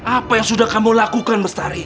apa yang sudah kamu lakukan